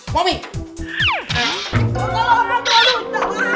kok lari lari tuh